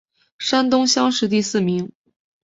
山东乡试第四名。